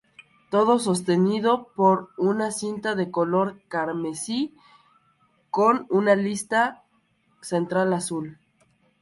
Todo sostenido por una cinta de color carmesí con una lista central azul.